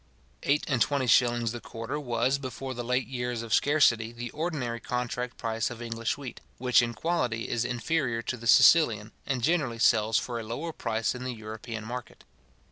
Eight and twenty shillings the quarter was, before the late years of scarcity, the ordinary contract price of English wheat, which in quality is inferior to the Sicilian, and generally sells for a lower price in the European market.